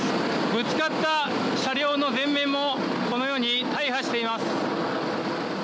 ぶつかった車両の前面もこのように大破しています。